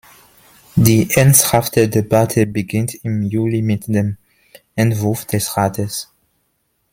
Die ernsthafte Debatte beginnt im Juli mit dem Entwurf des Rates.